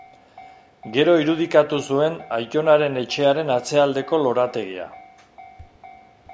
Gero irudikatu zuen aitonaren etxearen atzealdeko lorategia.